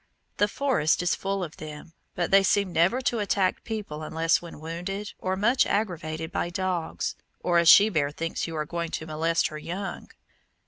The forest is full of them, but they seem never to attack people unless when wounded, or much aggravated by dogs, or a shebear thinks you are going to molest her young.